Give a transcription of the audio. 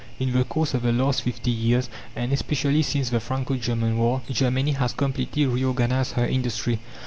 In the course of the last fifty years, and especially since the Franco German war, Germany has completely reorganized her industry.